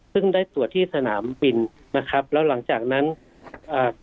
ซึ่งได้ตรวจที่สนามบินนะครับแล้วหลังจากนั้นอ่า